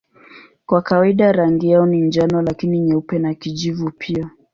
Kwa kawaida rangi yao ni njano lakini nyeupe na kijivu pia.